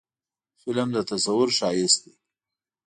فلم د تصور ښایست دی